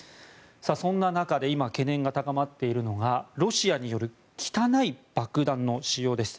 そんな中で今懸念が高まっているのがロシアによる汚い爆弾の使用です。